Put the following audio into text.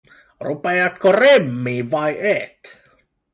Rupeatko remmiin, vai et?